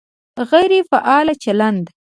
غیر فعال چلند